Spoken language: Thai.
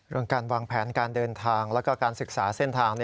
การวางแผนการเดินทางแล้วก็การศึกษาเส้นทาง